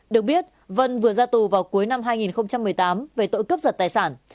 được biết vân vừa ra tù vào cuối năm hai nghìn một mươi tám về tội cướp giật tài sản